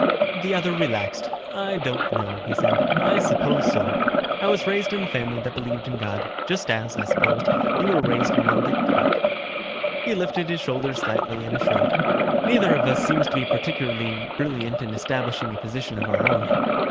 The other relaxed. "I don't know," he said. "I suppose so. I was raised in a family that believed in God. Just as, I suppose, you were raised in one that didn't." He lifted his shoulders slightly in a shrug. "Neither of us seems to be particularly brilliant in establishing a position of our own."